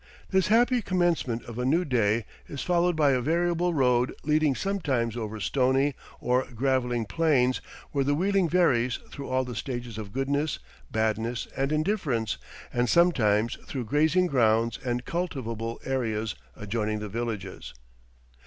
This happy commencement of a new day is followed by a variable road leading sometimes over stony or gravelly plains where the wheeling varies through all the stages of goodness, badness, and indifference, and sometimes through grazing grounds and cultivable areas adjoining the villages.